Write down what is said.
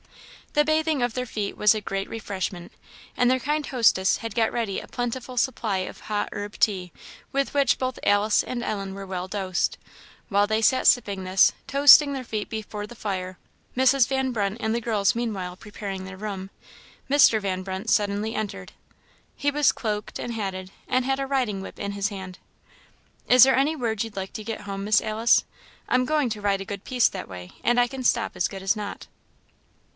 The bathing of their feet was a great refreshment, and their kind hostess had got ready a plentiful supply of hot herb tea, with which both Alice and Ellen were well dosed. While they sat sipping this, toasting their feet before the fire, Mrs. Van Brunt and the girls meanwhile preparing their room, Mr. Van Brunt suddenly entered. He was cloaked and hatted, and had a riding whip in his hand. "Is there any word you'd like to get home, Miss Alice? I'm going to ride a good piece that way, and I can stop as good as not."